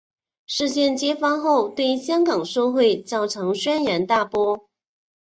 事件揭发后对香港社会造成轩然大波。